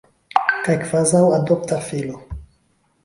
Kaj kvazaŭ adopta filo.